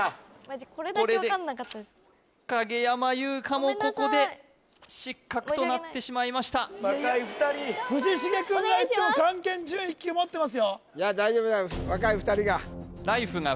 これだけわかんなかった影山優佳もここで失格となってしまいました藤重くんがいっても漢検準１級持ってますよ